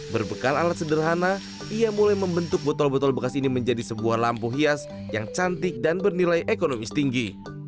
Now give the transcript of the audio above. berbekal alat sederhana ia mulai membentuk botol botol bekas ini menjadi sebuah lampu hias yang cantik dan bernilai ekonomis tinggi